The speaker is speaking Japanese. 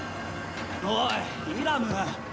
おいイラム。